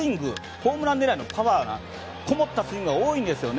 ホームラン狙いのパワーがこもったスイングが多いんですね。